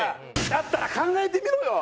だったら考えてみろよ！